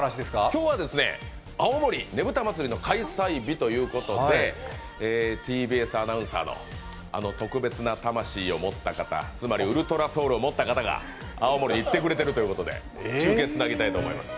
今日は青森ねぶた祭の開催日とうことでＴＢＳアナウンサーの、あの特別な魂を持った方つまり「ｕｌｔｒａｓｏｕｌ」を持った方が青森へ行ってくれているということで、中継つなぎたいと思います。